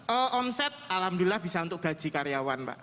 oh omset alhamdulillah bisa untuk gaji karyawan pak